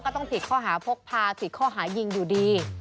ก็ต้องพิกเขาหาพกพาพิกเขาหายิงอยู่ดี